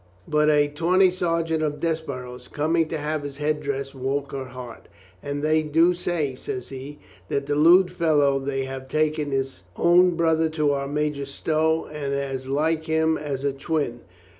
But a tawny sergeant of Desborough's coming to have his head dressed woke her heart. "And they do say," says he, "that the lewd fellow they have taken is own brother to our Major Stow and as like him as a twin.